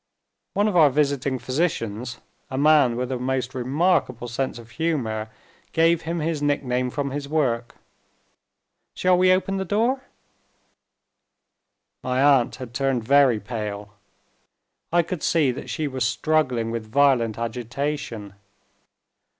One of our visiting physicians, a man with a most remarkable sense of humor, gave him his nickname from his work. Shall we open the door?" My aunt had turned very pale; I could see that she was struggling with violent agitation.